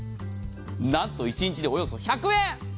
なんと１日およそ１００円。